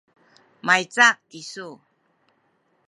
mahica kisu?